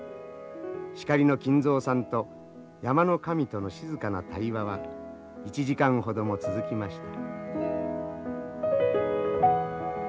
シカリの金蔵さんと山の神との静かな対話は１時間ほども続きました。